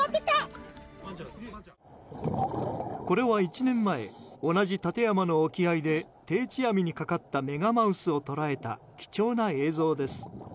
これは１年前同じ館山の沖合で定置網にかかったメガマウスを捉えた貴重な映像です。